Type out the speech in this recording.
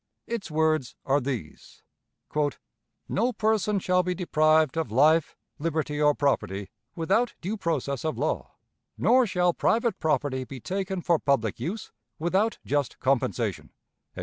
Its words are these: "No person shall be deprived of life, liberty, or property without due process of law; nor shall private property be taken for public use without just compensation."